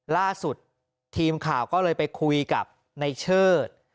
ล่าสุดทีมข่าวก็เลยไปคุยกับในเชิด